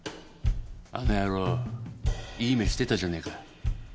あの野郎いい目してたじゃねえか。